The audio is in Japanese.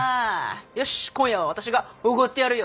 よし今夜は私がおごってやるよ！